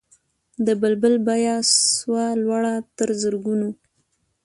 د بلبل بیه سوه لوړه تر زرګونو